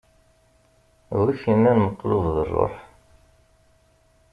Wi k-innan meqbuleḍ a ṛṛuḥ?